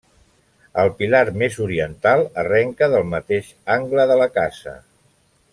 El pilar més oriental arrenca del mateix angle de la casa.